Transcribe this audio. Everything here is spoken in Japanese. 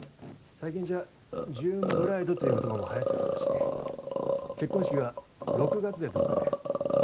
最近じゃジューンブライドという言葉もはやってるそうだし結婚式は６月でどうかね？